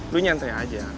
lo nyantai aja